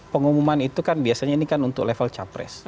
pengumuman itu kan biasanya ini kan untuk level capres